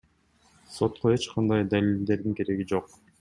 Сотко эч кандай далилдердин кереги жок.